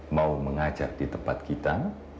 mau mengajak di tempat kita